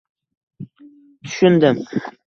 Tushundim.